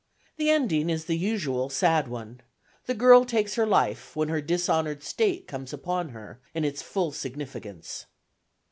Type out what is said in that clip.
The ending is the usual sad one the girl takes her life when her dishonoured state comes upon her in its full significance.